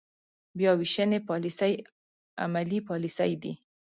بیا وېشنې پاليسۍ عملي پاليسۍ دي.